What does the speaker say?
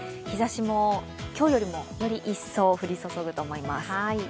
日ざしも今日よりもより一層降り注ぐと思います。